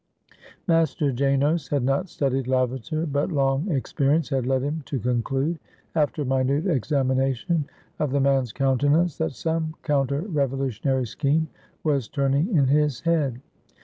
Master Janos had not studied Lavater, but long ex perience had led him to conclude, after minute exam ination of the man's countenance, that some counter revolutionary scheme was turning in his head.